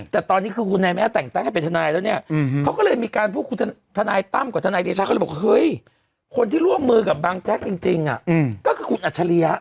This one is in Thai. ซึ่งเขาเลยบอกเฮ้ยคนที่ร่วมมือกับบางแจ๊คจริงอะก็คือคุณอัจฉริยะ